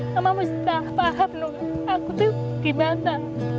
mama mesti paham aku tuh gimana